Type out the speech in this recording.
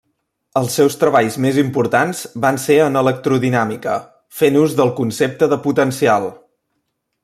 Els seus treballs més importants van ser en electrodinàmica, fent ús del concepte de potencial.